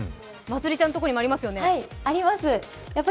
まつりちゃんとこにもありますよね。